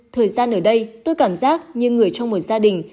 thời gian ở đây tôi cảm giác như người trong một gia đình